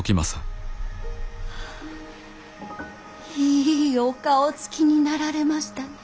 いいお顔つきになられましたね。